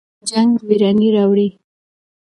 جنګ ویراني راوړي.